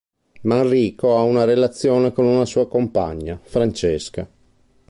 Manrico ha una relazione con una sua compagna, Francesca.